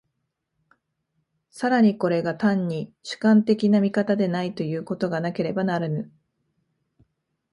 更にこれが単に主観的な見方でないということがなければならぬ。